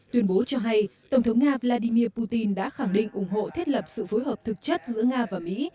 tuyên bố cho hay tổng thống nga vladimir putin đã khẳng định ủng hộ thiết lập sự phối hợp thực chất giữa nga và mỹ